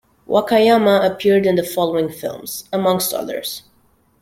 Wakayama appeared in the following films, amongst others.